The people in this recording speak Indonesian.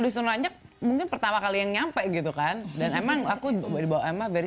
disuruh nanya mungkin pertama kali yang nyampe gitu kan dan emang aku juga berbawa emang very